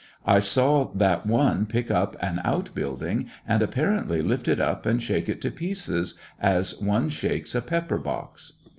I saw that one pick up an out building and apparently lift it up and shake it to pieces as one shakes a pepper box.